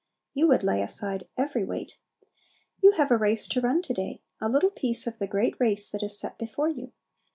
You would "lay aside every weight." You have a race to run to day, a little piece of the great race that is set before you.